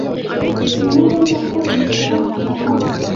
Menya neza ko ubikora aba.